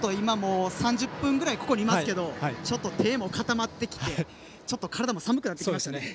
３０分ぐらいいますがちょっと手も固まってきて体も寒くなってきました。